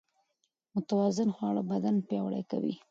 متوازن خواړه بدن پياوړی کوي.